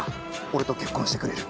俺と結婚してくれる？